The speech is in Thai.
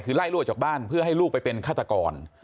คือไล่รั่วจากบ้านเพื่อให้ลูกไปเป็นฆาตกร